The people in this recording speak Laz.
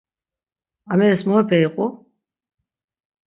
Ameris muepe iqu?